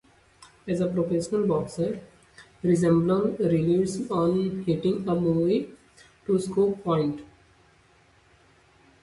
As a professional boxer, Rosenbloom relied on hitting and moving to score points.